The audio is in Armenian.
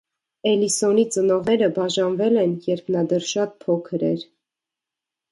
Էլիսոնի ծնողները բաժանվել են, երբ նա դեռ շատ փոքր էր։